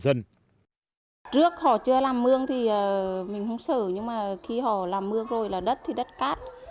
sở nhưng mà khi họ làm mưa rồi là đất thì đất cát